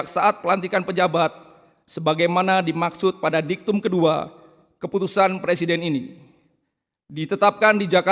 raya kebangsaan indonesia raya